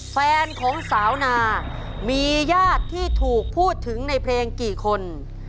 แฟนของสาวนามีญาติที่ถูกพูดถึงในเพลงกี่คน